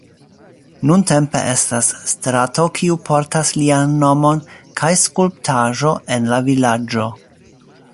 Nuntempe estas strato kiu portas lian nomon kaj skulptaĵo en la vilaĝo.